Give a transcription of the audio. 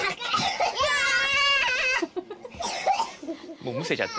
もうむせちゃって。